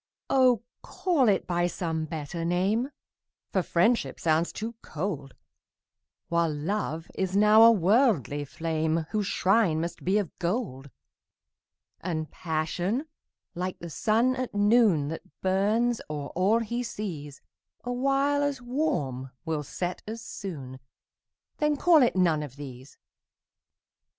Oh, call it by some better name, For Friendship sounds too cold, While Love is now a worldly flame, Whose shrine must be of gold: And Passion, like the sun at noon, That burns o'er all he sees, Awhile as warm will set as soon Then call it none of these.